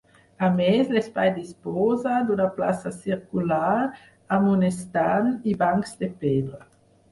A més, l'espai disposa d'una plaça circular amb un estanc i bancs de pedra.